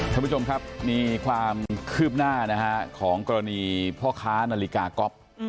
ท่านผู้ชมครับมีความคืบหน้านะฮะของกรณีพ่อค้านาฬิกาก๊อฟ